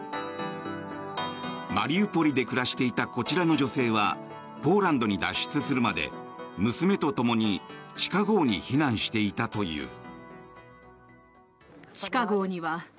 マリウポリで暮らしていたこちらの女性はポーランドに脱出するまで娘とともに地下壕に避難していたという。